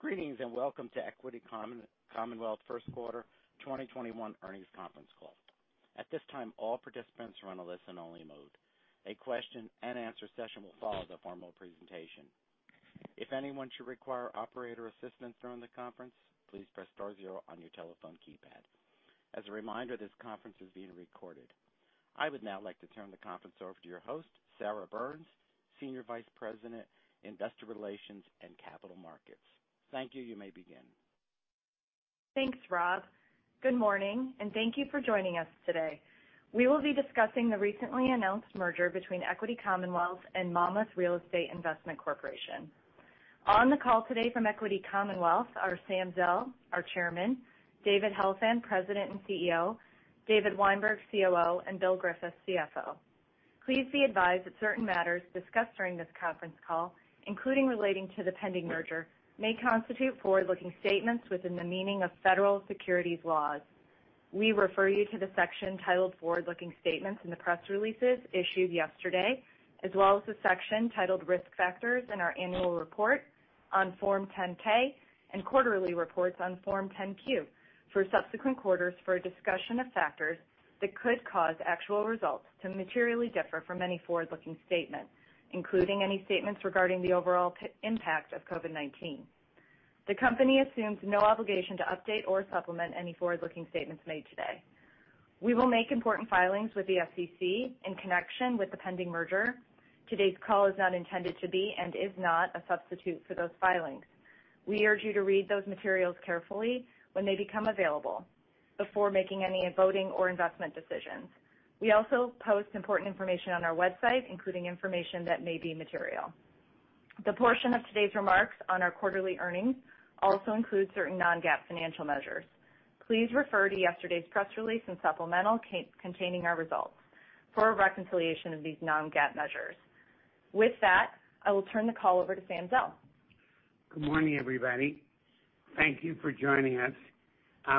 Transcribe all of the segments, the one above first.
Greetings, and welcome to Equity Commonwealth first quarter 2021 earnings conference call. At this time, all participants are on a listen-only mode. A question and answer session will follow the formal presentation. If anyone should require operator assistance during the conference, please press star zero on your telephone keypad. As a reminder, this conference is being recorded. I would now like to turn the conference over to your host, Sarah Byrnes, Senior Vice President, Investor Relations and Capital Markets. Thank you. You may begin. Thanks, Rob. Good morning, and thank you for joining us today. We will be discussing the recently announced merger between Equity Commonwealth and Monmouth Real Estate Investment Corporation. On the call today from Equity Commonwealth are Sam Zell, our Chairman, David Helfand, President and CEO, David Weinberg, COO, and Bill Griffiths, CFO. Please be advised that certain matters discussed during this conference call, including relating to the pending merger, may constitute forward-looking statements within the meaning of federal securities laws. We refer you to the section titled Forward-Looking Statements in the press releases issued yesterday, as well as the section titled Risk Factors in our annual report on Form 10-K and quarterly reports on Form 10-Q for subsequent quarters for a discussion of factors that could cause actual results to materially differ from any forward-looking statement, including any statements regarding the overall impact of COVID-19. The company assumes no obligation to update or supplement any forward-looking statements made today. We will make important filings with the SEC in connection with the pending merger. Today's call is not intended to be and is not a substitute for those filings. We urge you to read those materials carefully when they become available before making any voting or investment decisions. We also post important information on our website, including information that may be material. The portion of today's remarks on our quarterly earnings also includes certain non-GAAP financial measures. Please refer to yesterday's press release and supplemental containing our results for a reconciliation of these non-GAAP measures. With that, I will turn the call over to Sam Zell. Good morning, everybody. Thank you for joining us.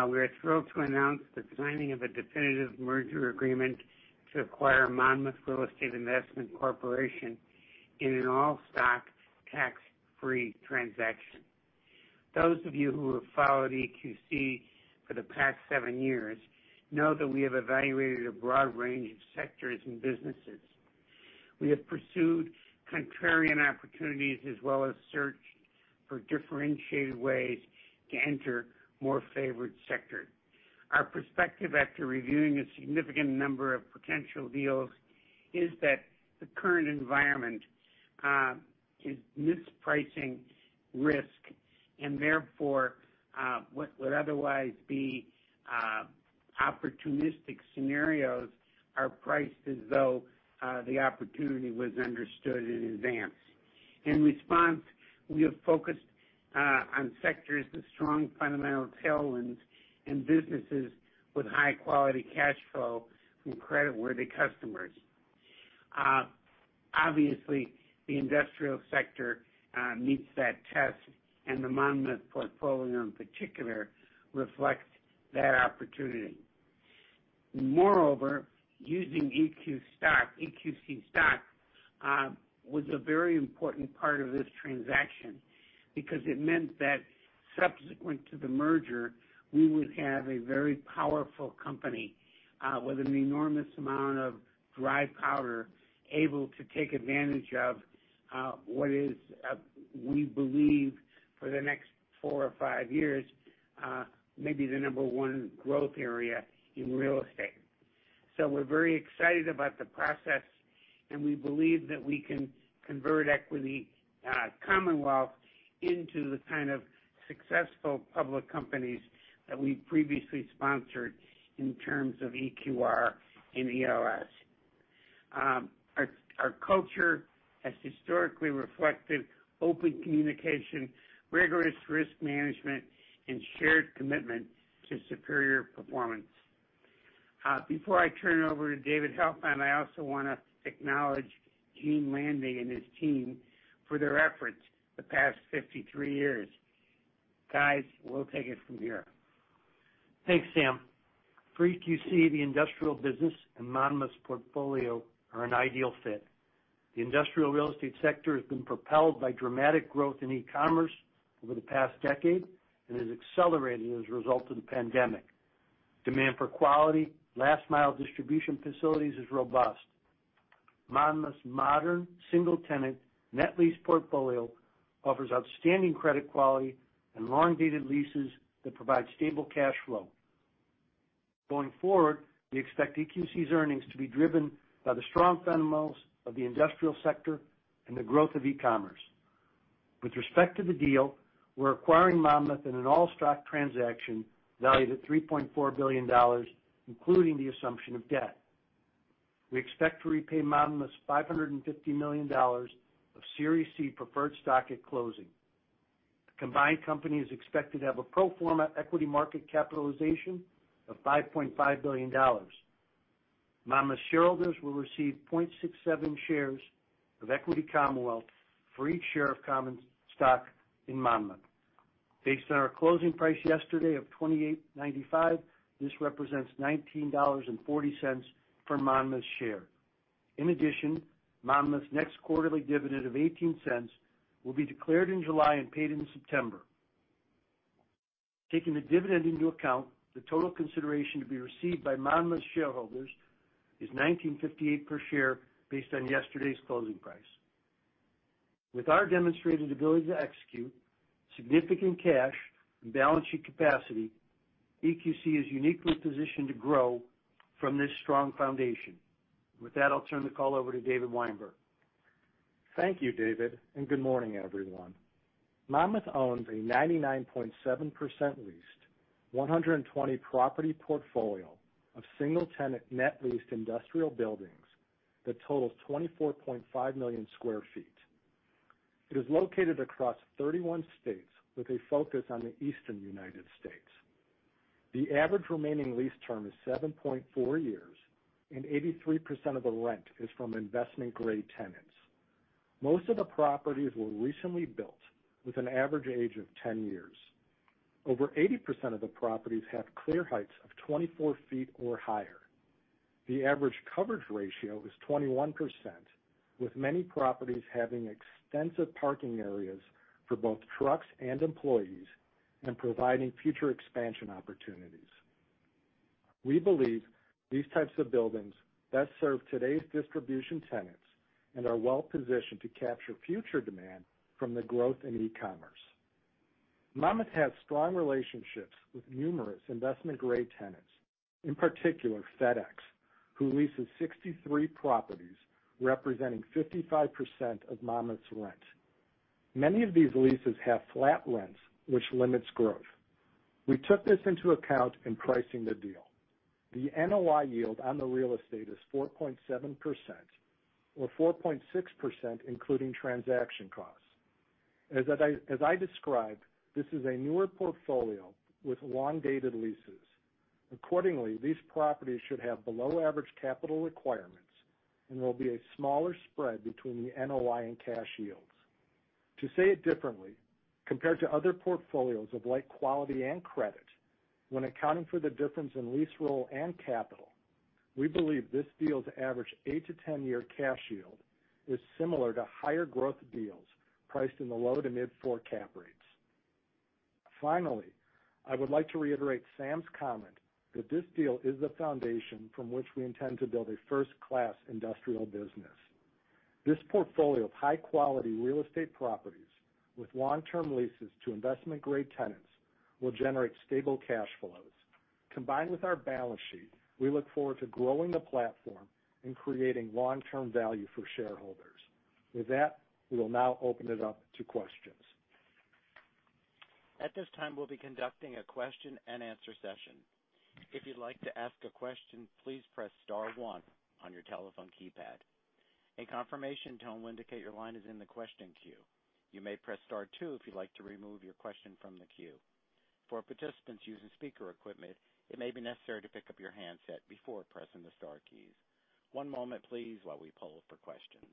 We are thrilled to announce the signing of a definitive merger agreement to acquire Monmouth Real Estate Investment Corporation in an all-stock tax-free transaction. Those of you who have followed EQC for the past seven years know that we have evaluated a broad range of sectors and businesses. We have pursued contrarian opportunities as well as searched for differentiated ways to enter more favored sectors. Our perspective after reviewing a significant number of potential deals is that the current environment is mispricing risk and therefore, what would otherwise be opportunistic scenarios are priced as though the opportunity was understood in advance. In response, we have focused on sectors with strong fundamental tailwinds and businesses with high-quality cash flow from creditworthy customers. Obviously, the industrial sector meets that test, and the Monmouth portfolio in particular reflects that opportunity. Moreover, using EQC stock was a very important part of this transaction because it meant that subsequent to the merger, we would have a very powerful company with an enormous amount of dry powder, able to take advantage of what is, we believe, for the next four or five years, maybe the number 1 growth area in real estate. We're very excited about the process, and we believe that we can convert Equity Commonwealth into the kind of successful public companies that we previously sponsored in terms of EQR and ELS. Our culture has historically reflected open communication, rigorous risk management, and shared commitment to superior performance. Before I turn it over to David Helfand, I also want to acknowledge Gene Landy and his team for their efforts the past 53 years. Guys, we'll take it from here. Thanks, Sam. For EQC, the industrial business and Monmouth's portfolio are an ideal fit. The industrial real estate sector has been propelled by dramatic growth in e-commerce over the past decade and has accelerated as a result of the pandemic. Demand for quality last-mile distribution facilities is robust. Monmouth's modern single-tenant net lease portfolio offers outstanding credit quality and long-dated leases that provide stable cash flow. Going forward, we expect EQC's earnings to be driven by the strong fundamentals of the industrial sector and the growth of e-commerce. With respect to the deal, we're acquiring Monmouth in an all-stock transaction valued at $3.4 billion, including the assumption of debt. We expect to repay Monmouth's $550 million of Series C preferred stock at closing. The combined company is expected to have a pro forma equity market capitalization of $5.5 billion. Monmouth shareholders will receive 0.67 shares of Equity Commonwealth for each share of common stock in Monmouth. Based on our closing price yesterday of $28.95, this represents $19.40 per Monmouth share. In addition, Monmouth's next quarterly dividend of $0.18 will be declared in July and paid in September. Taking the dividend into account, the total consideration to be received by Monmouth shareholders is $19.58 per share based on yesterday's closing price. With our demonstrated ability to execute significant cash and balance sheet capacity, EQC is uniquely positioned to grow from this strong foundation. With that, I'll turn the call over to David Weinberg. Thank you, David. Good morning, everyone. Monmouth owns a 99.7% leased 120-property portfolio of single-tenant net leased industrial buildings that total 24.5 million sq ft. It is located across 31 states with a focus on the Eastern U.S. The average remaining lease term is 7.4 years. 83% of the rent is from investment-grade tenants. Most of the properties were recently built with an average age of 10 years. Over 80% of the properties have clear heights of 24 feet or higher. The average coverage ratio is 21%, with many properties having extensive parking areas for both trucks and employees and providing future expansion opportunities. We believe these types of buildings best serve today's distribution tenants and are well-positioned to capture future demand from the growth in e-commerce. Monmouth has strong relationships with numerous investment-grade tenants. In particular, FedEx, who leases 63 properties, representing 55% of Monmouth's rent. Many of these leases have flat rents, which limits growth. We took this into account in pricing the deal. The NOI yield on the real estate is 4.7%, or 4.6%, including transaction costs. As I described, this is a newer portfolio with long-dated leases. Accordingly, these properties should have below-average capital requirements and will be a smaller spread between the NOI and cash yields. To say it differently, compared to other portfolios of like quality and credit, when accounting for the difference in lease roll and capital, we believe this deal's average eight to 10-year cash yield is similar to higher growth deals priced in the low to mid four cap rates. Finally, I would like to reiterate Sam's comment that this deal is the foundation from which we intend to build a first-class industrial business. This portfolio of high-quality real estate properties with long-term leases to investment-grade tenants will generate stable cash flows. Combined with our balance sheet, we look forward to growing the platform and creating long-term value for shareholders. With that, we will now open it up to questions. At this time, we'll be conducting a question and answer session. If you'd like to ask a question, please press star one on your telephone keypad. A confirmation tone will indicate that your line is in the question queue. You may press star two if you would like remove your question from the queue. For participants using speaker equipment, it may be necessary to pick up your handset before pressing the star keys. One moment please while we poll for questions.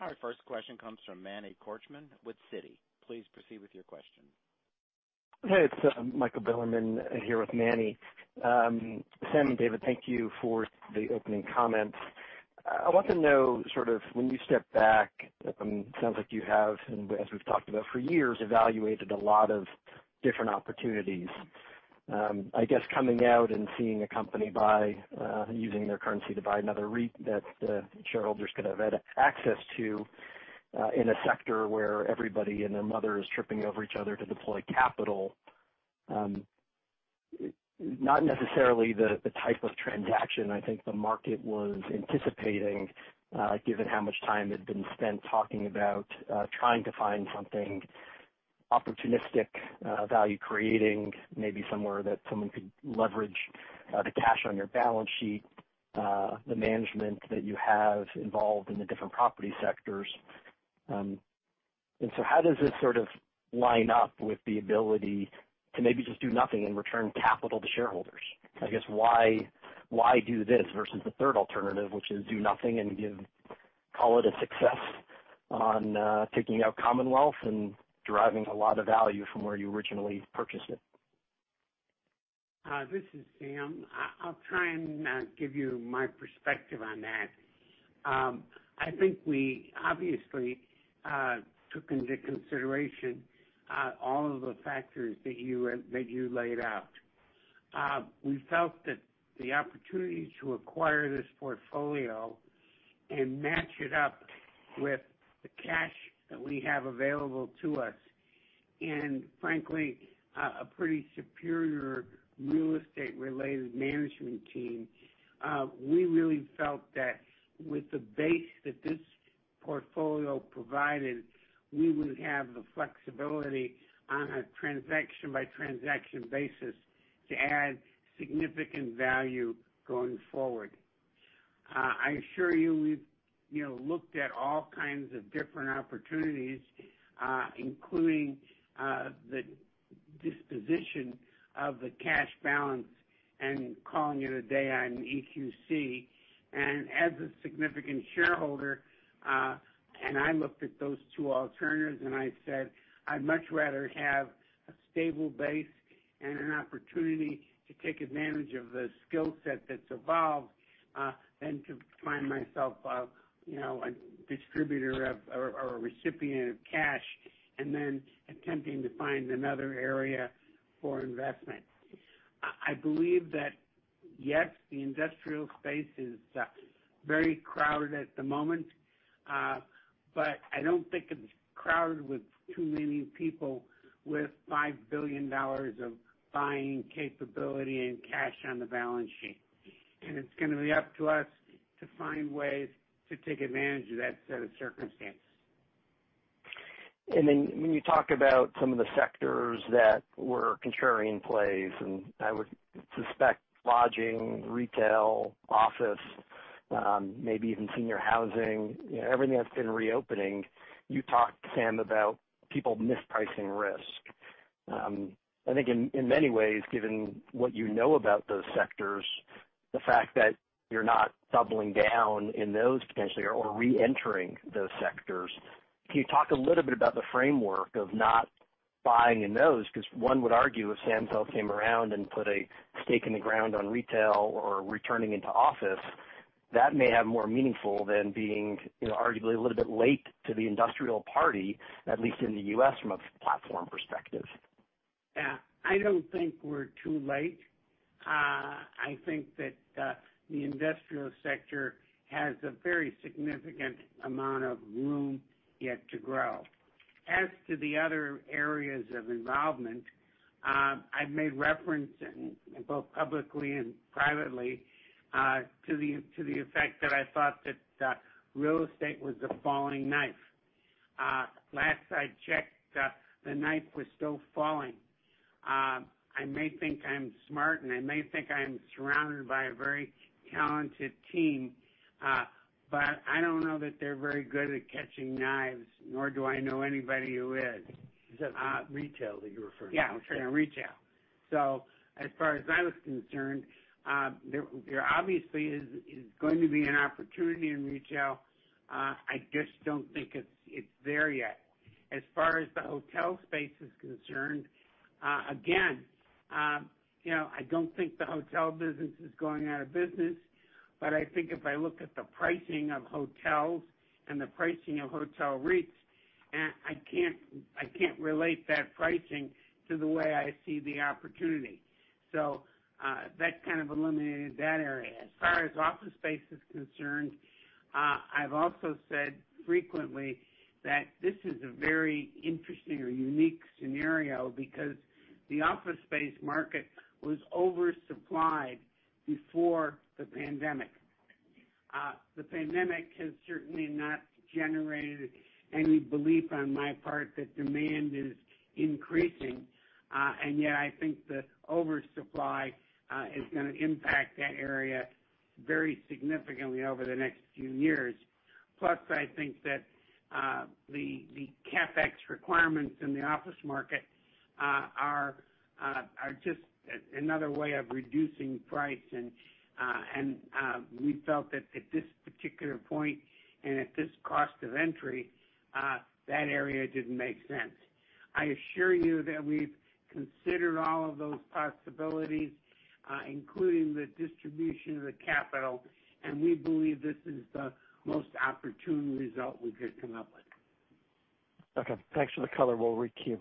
Our first question comes from Manny Korchman with Citi. Please proceed with your question. Hey, it's Michael Bilerman here with Manny. Sam and David, thank you for the opening comments. I want to know sort of when you step back, it sounds like you have, and as we've talked about for years, evaluated a lot of different opportunities. I guess coming out and seeing a company using their currency to buy another REIT that shareholders could have had access to in a sector where everybody and their mother is tripping over each other to deploy capital. Not necessarily the type of transaction I think the market was anticipating given how much time had been spent talking about trying to find something opportunistic, value-creating, maybe somewhere that someone could leverage the cash on your balance sheet, the management that you have involved in the different property sectors. How does this sort of line up with the ability to maybe just do nothing and return capital to shareholders? Why do this versus the third alternative, which is do nothing and call it a success on taking out Commonwealth and deriving a lot of value from where you originally purchased it? This is Sam. I'll try and give you my perspective on that. I think we obviously took into consideration all of the factors that you laid out. We felt that the opportunity to acquire this portfolio and match it up with the cash that we have available to us and frankly, a pretty superior real estate-related management team. We really felt that with the base that this portfolio provided, we would have the flexibility on a transaction-by-transaction basis to add significant value going forward. I assure you we've looked at all kinds of different opportunities, including the disposition of the cash balance and calling it a day on EQC. As a significant shareholder, I looked at those two alternatives, I said, "I'd much rather have a stable base and an opportunity to take advantage of the skill set that's evolved, than to find myself a distributor or a recipient of cash, then attempting to find another area for investment." I believe that, yes, the industrial space is very crowded at the moment. I don't think it's crowded with too many people with $5 billion of buying capability and cash on the balance sheet. It's going to be up to us to find ways to take advantage of that set of circumstances. When you talk about some of the sectors that were contrarian plays, and I would suspect lodging, retail, office, maybe even senior housing, everything that's been reopening. You talked, Sam, about people mispricing risk. I think in many ways, given what you know about those sectors, the fact that you're not doubling down in those potentially or reentering those sectors, can you talk a little bit about the framework of not buying in those? Because one would argue if Sam Zell came around and put a stake in the ground on retail or returning into office, that may have more meaningful than being arguably a little bit late to the industrial party, at least in the U.S., from a platform perspective. Yeah. I don't think we're too late. I think that the industrial sector has a very significant amount of room yet to grow. As to the other areas of involvement, I've made reference in both publicly and privately, to the effect that I thought that real estate was a falling knife. Last I checked, the knife was still falling. I may think I'm smart, and I may think I'm surrounded by a very talented team, but I don't know that they're very good at catching knives, nor do I know anybody who is. Is that retail that you're referring to? Yeah, retail. As far as I was concerned, there obviously is going to be an opportunity in retail. I just don't think it's there yet. As far as the hotel space is concerned, again, I don't think the hotel business is going out of business. I think if I look at the pricing of hotels and the pricing of hotel REITs, I can't relate that pricing to the way I see the opportunity. That kind of eliminated that area. As far as office space is concerned, I've also said frequently that this is a very interesting or unique scenario because the office space market was oversupplied before the pandemic. The pandemic has certainly not generated any belief on my part that demand is increasing. Yet I think the oversupply is going to impact that area very significantly over the next few years. I think that the CapEx requirements in the office market are just another way of reducing price. We felt that at this particular point and at this cost of entry, that area didn't make sense. I assure you that we've considered all of those possibilities, including the distribution of the capital, and we believe this is the most opportune result we could come up with. Okay. Thanks for the color. We'll requeue.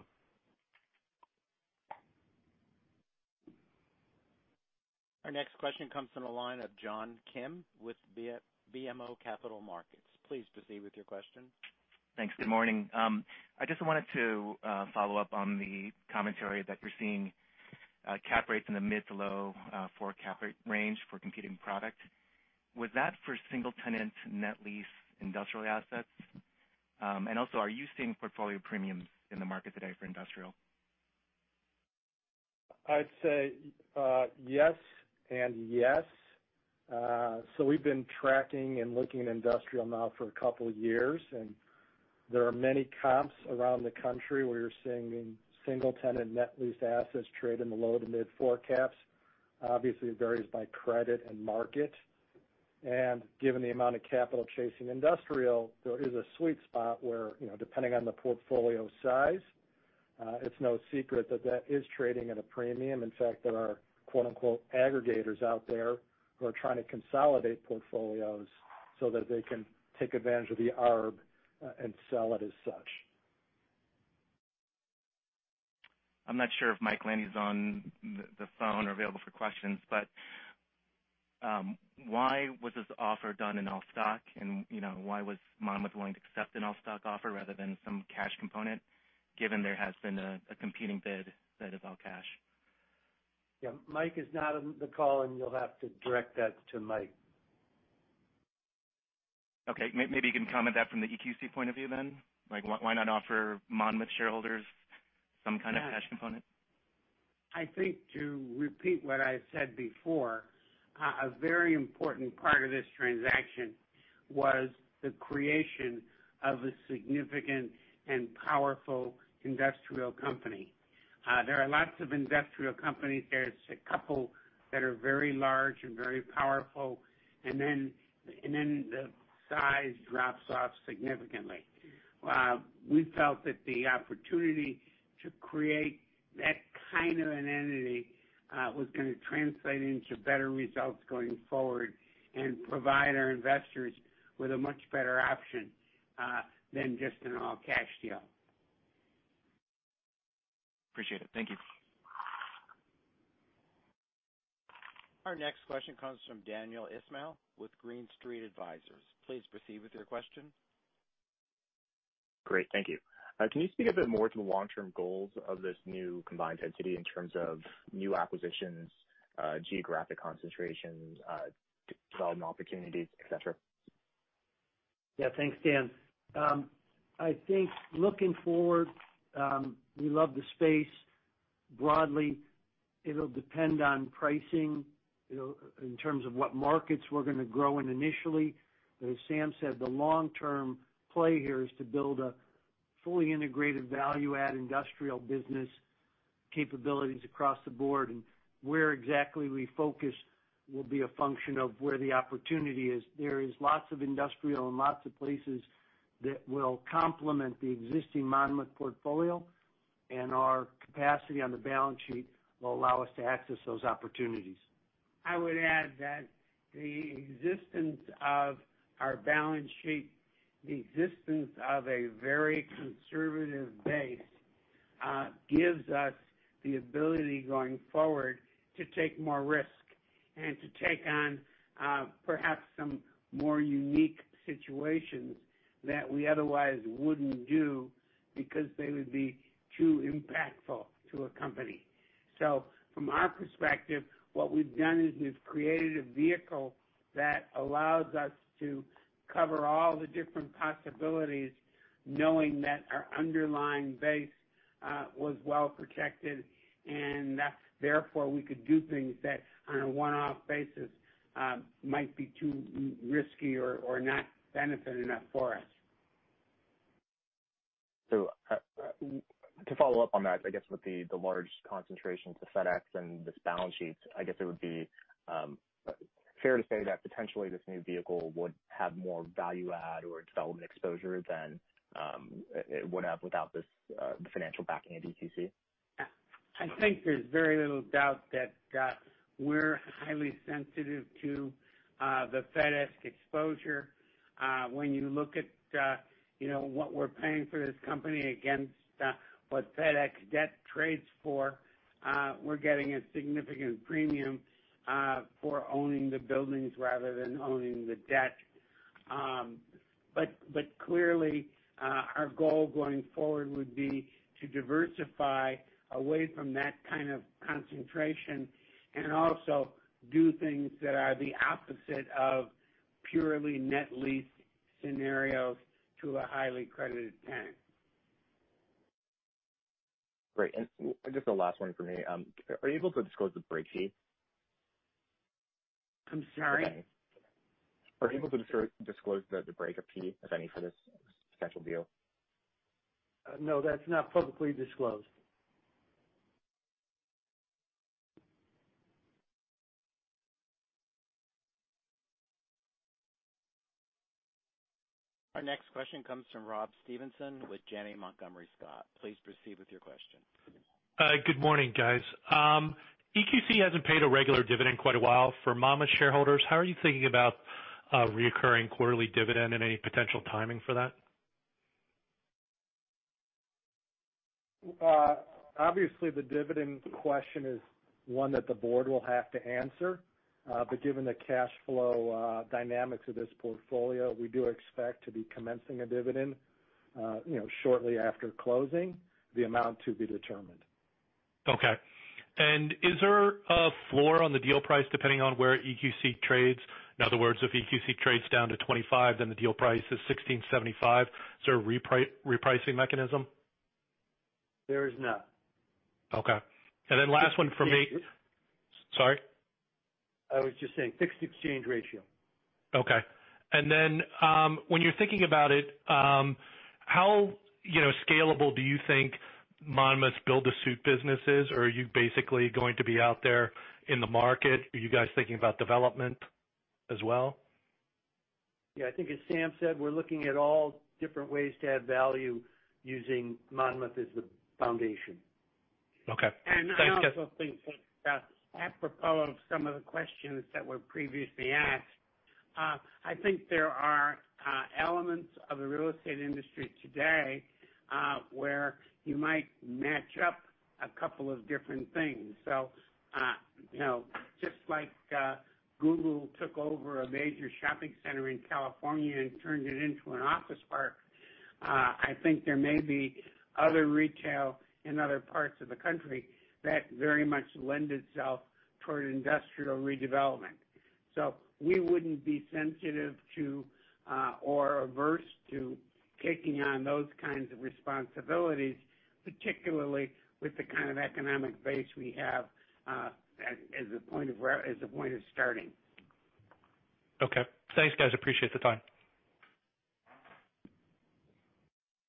Our next question comes from the line of John Kim with BMO Capital Markets. Please proceed with your question. Thanks. Good morning. I just wanted to follow up on the commentary that you're seeing cap rates in the mid to low four cap rate range for competing product. Was that for single-tenant, net-lease industrial assets? Also, are you seeing portfolio premiums in the market today for industrial? I'd say yes and yes. We've been tracking and looking at industrial now for a couple of years, and there are many comps around the country where you're seeing single tenant net lease assets trade in the low to mid four caps. Obviously, it varies by credit and market. Given the amount of capital chasing industrial, there is a sweet spot where, depending on the portfolio size, it's no secret that that is trading at a premium. In fact, there are "aggregators" out there who are trying to consolidate portfolios so that they can take advantage of the arb and sell it as such. I'm not sure if Mike Landy's on the phone or available for questions, but why was this offer done in all stock, and why was Monmouth willing to accept an all-stock offer rather than some cash component, given there has been a competing bid that is all cash? Yeah, Mike is not on the call, and you'll have to direct that to Mike. Okay. Maybe you can comment that from the EQC point of view, then. Why not offer Monmouth shareholders some kind of cash component? I think to repeat what I said before, a very important part of this transaction was the creation of a significant and powerful industrial company. There are lots of industrial companies. There is a couple that are very large and very powerful, and then the size drops off significantly. We felt that the opportunity to create that kind of an entity was going to translate into better results going forward and provide our investors with a much better option than just an all-cash deal. Appreciate it. Thank you. Our next question comes from Daniel Ismail with Green Street Advisors. Please proceed with your question. Great. Thank you. Can you speak a bit more to the long-term goals of this new combined entity in terms of new acquisitions, geographic concentration, development opportunities, et cetera? Thanks, Daniel. I think looking forward, we love the space broadly. It'll depend on pricing in terms of what markets we're going to grow in initially. As Sam Zell said, the long-term play here is to build a fully integrated value-add industrial business capabilities across the board, and where exactly we focus will be a function of where the opportunity is. There is lots of industrial and lots of places that will complement the existing Monmouth portfolio, and our capacity on the balance sheet will allow us to access those opportunities. I would add that the existence of our balance sheet, the existence of a very conservative base, gives us the ability, going forward, to take more risk and to take on perhaps some more unique situations that we otherwise wouldn't do because they would be too impactful to a company. From our perspective, what we've done is we've created a vehicle that allows us to cover all the different possibilities, knowing that our underlying base was well protected, and therefore, we could do things that, on a one-off basis, might be too risky or not benefit enough for us. To follow up on that, I guess with the large concentration to FedEx and this balance sheet, I guess it would be fair to say that potentially this new vehicle would have more value add or development exposure than it would have without the financial backing of EQC? I think there's very little doubt that we're highly sensitive to the FedEx exposure. When you look at what we're paying for this company against what FedEx debt trades for, we're getting a significant premium for owning the buildings rather than owning the debt. Clearly, our goal going forward would be to diversify away from that kind of concentration and also do things that are the opposite of purely net lease scenarios to a highly credited tenant. Great. Just the last one for me. Are you able to disclose the break fee? I'm sorry? Are you able to disclose the breakup fee, if any, for this potential deal? No, that's not publicly disclosed. Our next question comes from Rob Stevenson with Janney Montgomery Scott. Please proceed with your question. Good morning, guys. EQC hasn't paid a regular dividend in quite a while. For Monmouth shareholders, how are you thinking about a reoccurring quarterly dividend and any potential timing for that? Obviously, the dividend question is one that the board will have to answer. Given the cash flow dynamics of this portfolio, we do expect to be commencing a dividend shortly after closing, the amount to be determined. Okay. Is there a floor on the deal price depending on where EQC trades? In other words, if EQC trades down to 25, then the deal price is $16.75. Is there a repricing mechanism? There is not. Okay. Then last one from me. Fixed exchange. Sorry? I was just saying fixed exchange ratio. Okay. When you're thinking about it, how scalable do you think Monmouth's build-to-suit business is? Are you basically going to be out there in the market? Are you guys thinking about development as well? I think as Sam said, we're looking at all different ways to add value using Monmouth as the foundation. Okay. Thanks, guys. I also think that apropos of some of the questions that were previously asked, I think there are elements of the real estate industry today where you might match up a couple of different things. Just like Google took over a major shopping center in California and turned it into an office park, I think there may be other retail in other parts of the country that very much lend itself toward industrial redevelopment. We wouldn't be sensitive to or averse to taking on those kinds of responsibilities, particularly with the kind of economic base we have as a point of starting. Okay. Thanks, guys. Appreciate the time.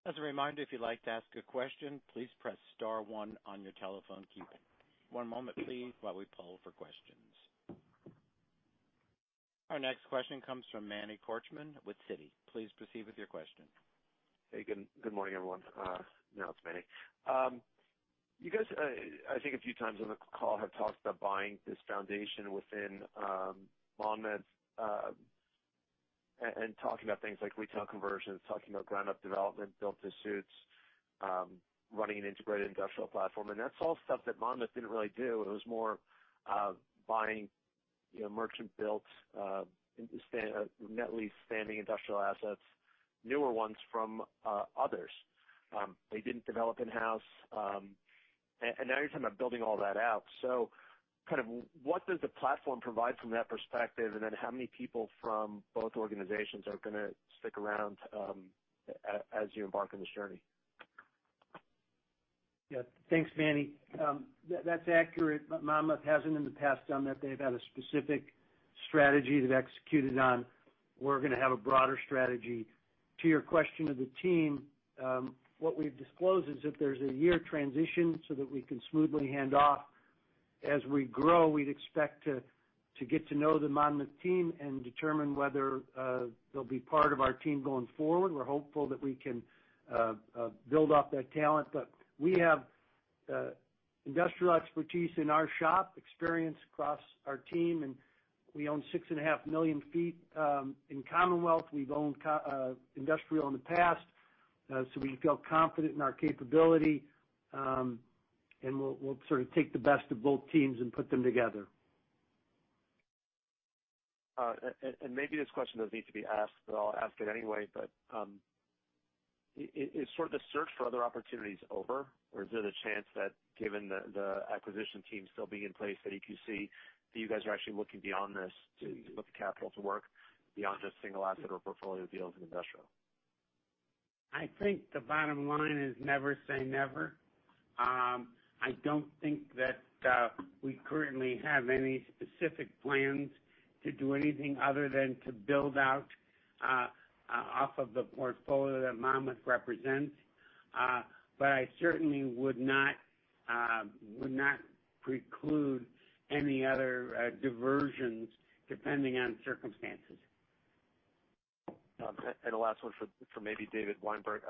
As a reminder, if you'd like to ask a question, please press star one on your telephone keypad. One moment, please, while we poll for questions. Our next question comes from Manny Korchman with Citi. Please proceed with your question. Hey, good morning, everyone. It's Manny. You guys, I think a few times on the call, have talked about buying this foundation within Monmouth and talking about things like retail conversions, talking about ground-up development, build to suits, running an integrated industrial platform, and that's all stuff that Monmouth didn't really do. It was more buying merchant builds, net lease standing industrial assets, newer ones from others. They didn't develop in-house, and now you're talking about building all that out. What does the platform provide from that perspective, and then how many people from both organizations are going to stick around as you embark on this journey? Yeah. Thanks, Manny. That's accurate. Monmouth hasn't in the past done that. They've had a specific strategy they've executed on. We're going to have a broader strategy. To your question of the team, what we've disclosed is that there's a year transition so that we can smoothly hand off. As we grow, we'd expect to get to know the Monmouth team and determine whether they'll be part of our team going forward. We're hopeful that we can build off that talent, but we have industrial expertise in our shop, experience across our team, and we own six and a half million feet. In Commonwealth, we've owned industrial in the past, so we feel confident in our capability. We'll sort of take the best of both teams and put them together. Maybe this question doesn't need to be asked, but I'll ask it anyway, but is sort of the search for other opportunities over, or is there the chance that given the acquisition team still being in place at EQC, that you guys are actually looking beyond this to look at capital to work beyond just single asset or portfolio deals in industrial? I think the bottom line is never say never. I don't think that we currently have any specific plans to do anything other than to build out off of the portfolio that Monmouth represents. I certainly would not preclude any other diversions depending on circumstances. The last one for maybe David Weinberg.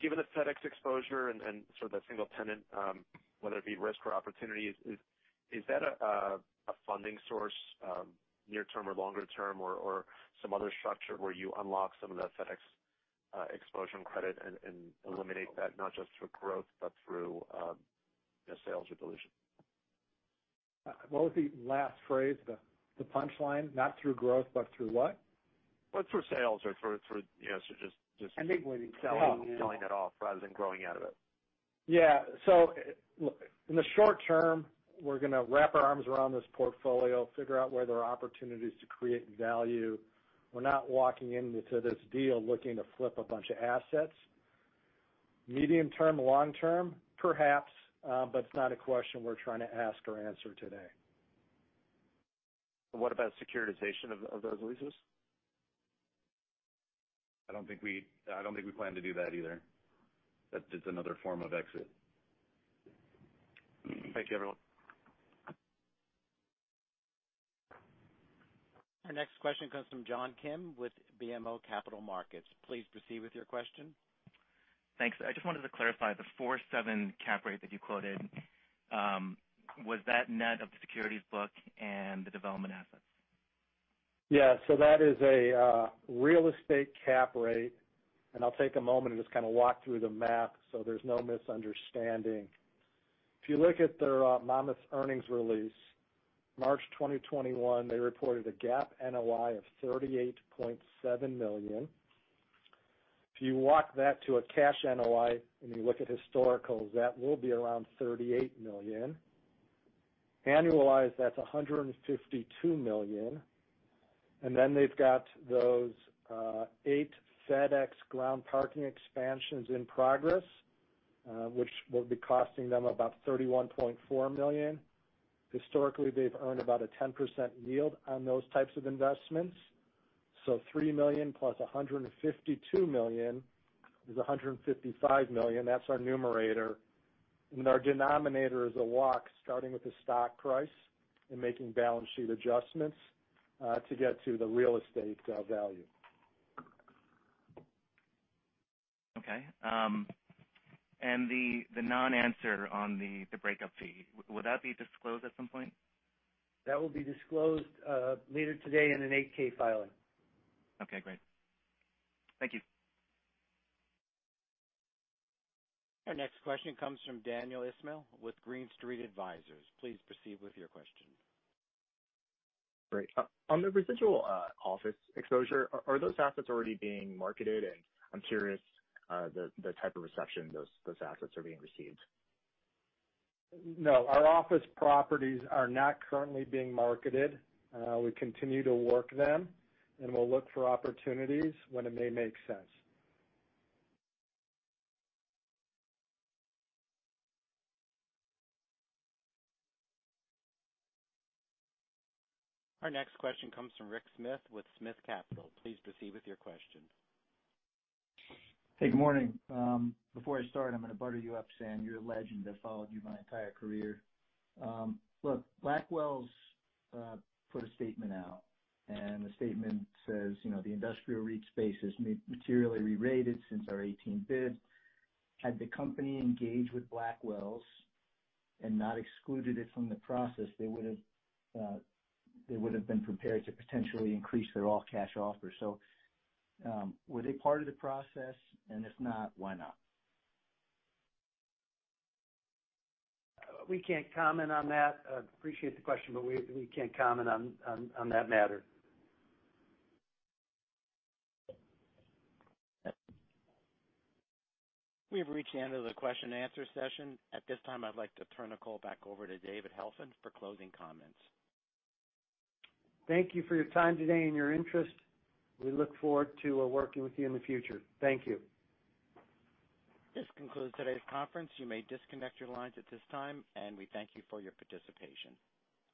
Given the FedEx exposure and sort of the single tenant, whether it be risk or opportunity, is that a funding source, near term or longer term, or some other structure where you unlock some of that FedEx exposure and credit and eliminate that not just through growth, but through sales or dilution? What was the last phrase? The punchline? Not through growth, but through what? Well, through sales or- I think selling it off. -selling it off rather than growing out of it. In the short term, we're going to wrap our arms around this portfolio, figure out where there are opportunities to create value. We're not walking into this deal looking to flip a bunch of assets. Medium term, long term, perhaps, but it's not a question we're trying to ask or answer today. What about securitization of those leases? I don't think we plan to do that either. That's another form of exit. Thank you, everyone. Our next question comes from John Kim with BMO Capital Markets. Please proceed with your question. Thanks. I just wanted to clarify the four seven cap rate that you quoted. Was that net of the securities book and the development assets? Yeah. That is a real estate cap rate, and I'll take a moment and just kind of walk through the math so there's no misunderstanding. If you look at the Monmouth earnings release, March 2021, they reported a GAAP NOI of $38.7 million. If you walk that to a cash NOI, and you look at historicals, that will be around $38 million. Annualized, that's $152 million. They've got those eight FedEx Ground parking expansions in progress, which will be costing them about $31.4 million. Historically, they've earned about a 10% yield on those types of investments. $3 million plus $152 million is $155 million. That's our numerator. Our denominator is a walk starting with the stock price and making balance sheet adjustments to get to the real estate value. Okay. The non-answer on the breakup fee, would that be disclosed at some point? That will be disclosed later today in an 8-K filing. Okay, great. Thank you. Our next question comes from Daniel Ismail with Green Street Advisors. Please proceed with your question. Great. On the residual office exposure, are those assets already being marketed? I'm curious the type of reception those assets are being received. No, our office properties are not currently being marketed. We continue to work them, and we'll look for opportunities when it may make sense. Our next question comes from Rick Smith with Smith Capital. Please proceed with your question. Hey, good morning. Before I start, I'm going to butter you up, Sam. You're a legend. I followed you my entire career. Look, Blackwells put a statement out, and the statement says the industrial REIT space has materially rerated since our 2018 bid. Had the company engaged with Blackwells and not excluded it from the process, they would've been prepared to potentially increase their all-cash offer. Were they part of the process, and if not, why not? We can't comment on that. Appreciate the question, but we can't comment on that matter. We have reached the end of the question and answer session. At this time, I'd like to turn the call back over to David Helfand for closing comments. Thank you for your time today and your interest. We look forward to working with you in the future. Thank you. This concludes today's conference. You may disconnect your lines at this time, and we thank you for your participation.